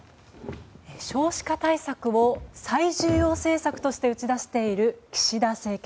少子化対策を最重要政策として打ち出している岸田政権。